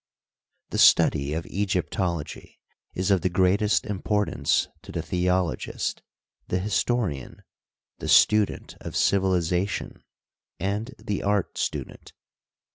The study of Egyptology is of the greatest im portance to the theologist, the historian, the student of civilization, and the art student.